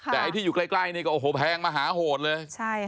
แต่ไอ้ที่อยู่ใกล้นี่ก็โอ้โหแพงมหาโหดเลย